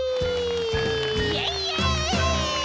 イエイイエイ！